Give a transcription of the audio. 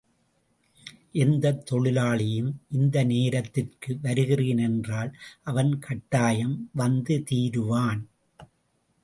எந்தத் தொழிலாளியும் இந்த நேரத்திற்கு வருகிறேன் என்றால் அவன் கட்டாயம் வந்து தீருவான்.